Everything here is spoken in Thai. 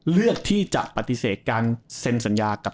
เลือกที่จะปฏิเสธการเซ็นสัญญากับ